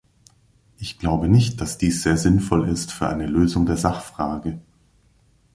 Ich glaube nicht, dass dies sehr sinnvoll ist für eine Lösung der Sachfrage.